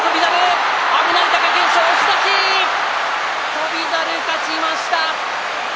翔猿、勝ちました。